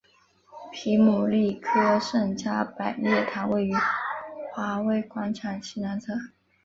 皮姆利科圣加百列堂位于华威广场西南侧。